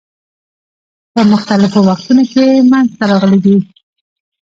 په مختلفو وختونو کې منځته راغلي دي.